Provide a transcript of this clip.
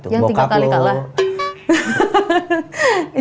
yang tiga kali kalah